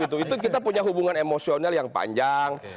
itu kita punya hubungan emosional yang panjang